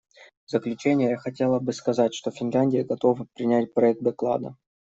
В заключение я хотела бы сказать, что Финляндия готова принять проект доклада.